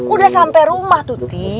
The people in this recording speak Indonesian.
udah sampe rumah tuti